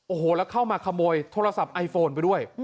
โอ้โหแล้วเข้ามาขโมยโทรศัพท์ไอโฟนไปด้วย